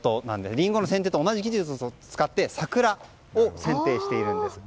リンゴのせん定と同じ技術を使って桜をせん定しているんです。